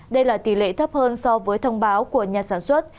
đây là tỷ lệ thấp hơn so với thông báo của nhà sản xuất